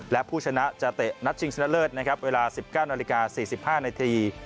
และผู้ชนะจะเตะนัดชิงชนะเลิศนะครับเวลา๑๙นาฬิกา๔๕นาที